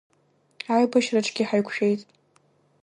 Аибашьраҿгьы ҳаиқәшәеит.